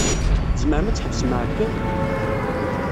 Tzemrem ad tḥebsem aɛeyyeḍ?